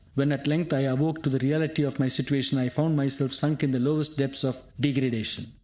When, at length, I awoke to the reality of my situation, I found myself sunk in the lowest depths of degradation.